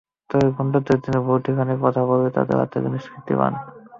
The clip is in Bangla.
তবে গুন্ডাদের তিনি ভুল ঠিকানার কথা বলে তাদের হাত থেকে নিষ্কৃতি পান।